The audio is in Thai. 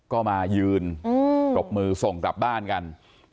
ก็มายืนปรบมือส่งกลับบ้านกัน